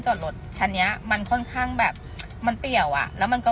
จอดรถชั้นเนี้ยมันค่อนข้างแบบมันเปลี่ยวอ่ะแล้วมันก็